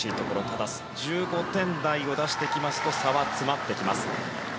ただ１５点台を出してきますと差は詰まってきます。